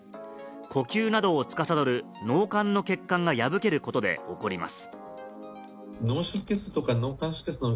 呼吸などをつかさどる脳幹の血管が破けることで起こります。